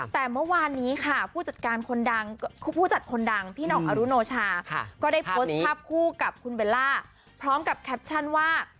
แต่เมื่อวานนี้ค่ะผู้จัดการคนจัดคนดังพี่หน่องอรุโนชาก็ได้โพสต์ภาพคู่กับคุณเบลล่าพร้อมกับแคปชั่นว่า